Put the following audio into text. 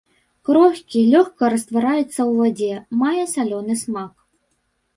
Крохкі, лёгка раствараецца ў вадзе, мае салёны смак.